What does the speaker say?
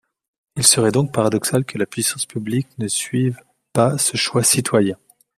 Il serait donc paradoxal que la puissance publique ne suive pas ce choix citoyen.